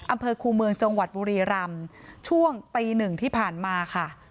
อำเภอคูเมืองจังหวัดบุรีรำช่วงตีหนึ่งที่ผ่านมาค่ะ